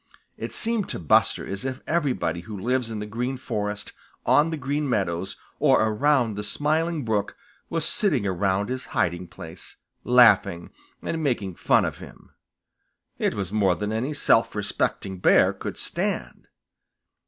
It seemed to Buster as if everybody who lives in the Green Forest, on the Green Meadows, or around the Smiling Brook, was sitting around his hiding place, laughing and making fun of him. It was more than any self respecting Bear could stand.